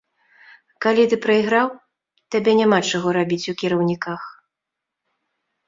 Калі ты прайграў, табе няма чаго рабіць у кіраўніках.